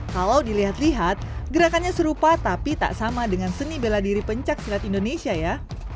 kalau dilihat lihat gerakannya serupa tapi tak sama dengan seni bela diri pencaksilat indonesia ya